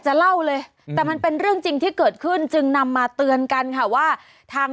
จะเล่าเลยแต่มันเป็นเรื่องจริงที่เกิดขึ้นจึงนำมาเตือนกันค่ะว่าทาง